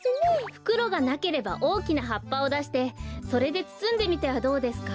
ふくろがなければおおきなはっぱをだしてそれでつつんでみてはどうですか？